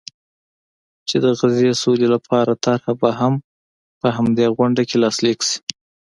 چې د غزې سولې لپاره طرحه به هم په همدې غونډه کې لاسلیک شي.